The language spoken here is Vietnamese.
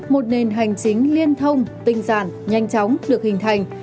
một nền hành chính liên thông tinh giản nhanh chóng được hình thành